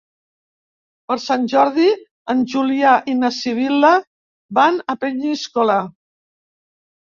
Per Sant Jordi en Julià i na Sibil·la van a Peníscola.